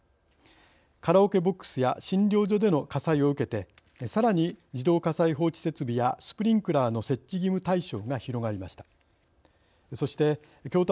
カラオケボックスや診療所での火災を受けてさらに自動火災報知設備やスプリンクラーの設置義務対象が広がりました。